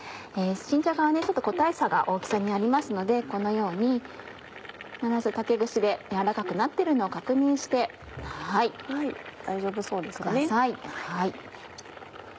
新じゃがはちょっと個体差が大きさにありますのでこのように必ず竹串で軟らかくなってるのを確認してください。